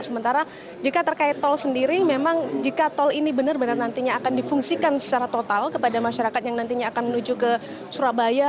sementara jika terkait tol sendiri memang jika tol ini benar benar nantinya akan difungsikan secara total kepada masyarakat yang nantinya akan menuju ke surabaya